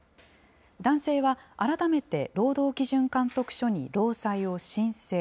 男性は改めて労働基準監督署に労災を申請。